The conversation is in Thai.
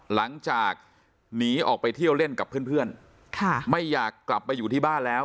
หลังจากหนีออกไปเที่ยวเล่นกับเพื่อนเพื่อนค่ะไม่อยากกลับไปอยู่ที่บ้านแล้ว